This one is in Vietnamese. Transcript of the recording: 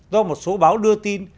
do một số báo đưa tin